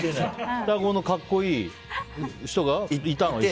双子の格好いい人がいたんだ。